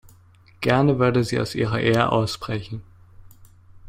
Gerne würde sie aus ihrer Ehe ausbrechen.